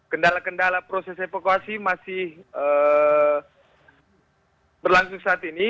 kendala kendala proses evakuasi masih berlangsung saat ini